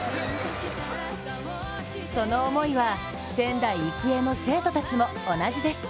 その思いは仙台育英の生徒たちも同じです。